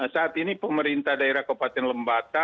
saat ini pemerintah daerah kabupaten lembata